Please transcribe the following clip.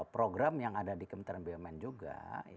program yang ada di kementerian bumn juga